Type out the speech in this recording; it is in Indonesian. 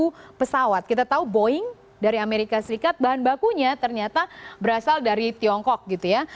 satu pesawat kita tahu boeing dari amerika serikat bahan bakunya ternyata berasal dari tiongkok gitu ya